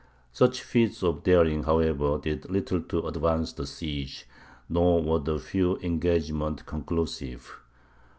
Such feats of daring, however, did little to advance the siege, nor were the few engagements conclusive.